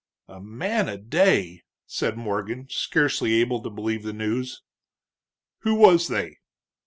"A man a day!" said Morgan, scarcely able to believe the news. "Who was they?"